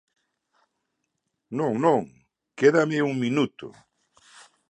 Non, non, quédame un minuto.